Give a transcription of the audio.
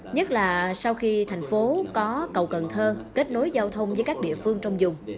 nhất là sau khi thành phố có cầu cần thơ kết nối giao thông với các địa phương trong dùng